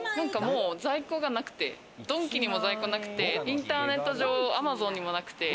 在庫がなくて、ドンキにも在庫なくて、インターネット上、アマゾンにもなくて。